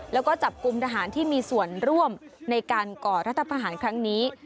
แล้วก็จับกลุ่มทหารที่มีส่วนร่วมในการก่อรัฐประหารครั้งนี้